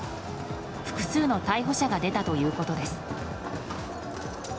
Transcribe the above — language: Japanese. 複数の逮捕者が出たということです。